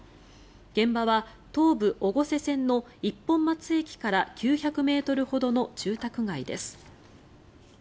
現場は東武越生線の一本松駅から９００ｍほどの住宅街です。